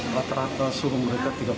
rata rata suhu mereka tiga puluh enam derajat